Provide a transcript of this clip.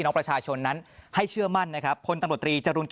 ถ้าผมหยิดยิ้วอะไรก็พนามได้นะครับพนามได้นะครับ